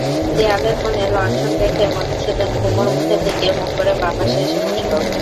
দেয়ালের কোণে লণ্ঠন রেখে মধুসূদন কুমুর মুখের দিকে মুখ করে বাঁ পাশে এসে বসল।